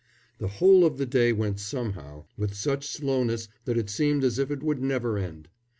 The whole of the day went somehow with such slowness that it seemed as if it would never end.